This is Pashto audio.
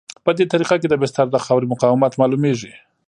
په دې طریقه کې د بستر د خاورې مقاومت معلومیږي